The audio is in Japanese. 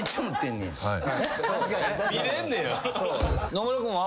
野村君は？